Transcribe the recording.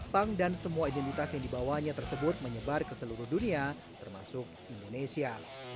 bank dan semua identitas yang dibawanya tersebut menyebar ke seluruh dunia termasuk indonesia